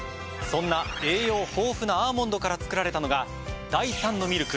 そんな栄養豊富なアーモンドから作られたのが。